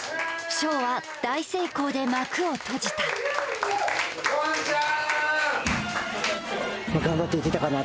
ショーは大成功で幕を閉じた・ごはんちゃーん！